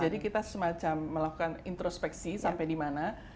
jadi kita semacam melakukan introspeksi sampai dimana